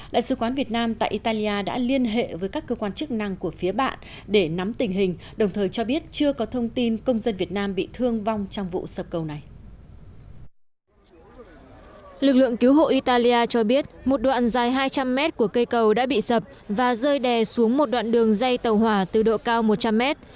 lực lượng cứu hộ italia cho biết một đoạn dài hai trăm linh mét của cây cầu đã bị sập và rơi đè xuống một đoạn đường dây tàu hỏa từ độ cao một trăm linh mét